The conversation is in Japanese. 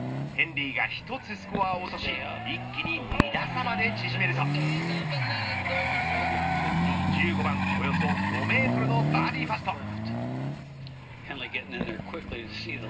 ヘンリーが１つスコアを落とし一気に２打差まで縮めると１５番およそ５メートルのバーディーパット。